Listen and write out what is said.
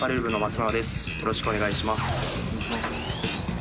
よろしくお願いします。